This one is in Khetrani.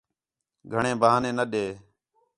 گھݨیں بہانے نہ ݙے